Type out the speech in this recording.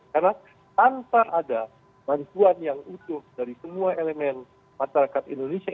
karena tanpa ada manfaat yang utuh dari semua elemen masyarakat indonesia